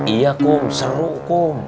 iya kum seru